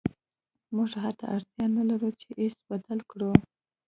موږ حتی اړتیا نلرو چې ایس بدل کړو